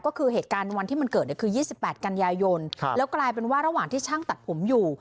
ก็คือเหตุการณ์วันที่มันเกิดเนี่ยคือ๒๘กันยายนแล้วกลายเป็นว่าระหว่างที่ช่างตัดผมอยู่